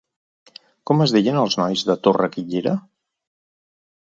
Com es deien els nois de Torre-guillera?